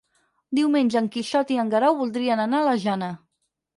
Diumenge en Quixot i en Guerau voldrien anar a la Jana.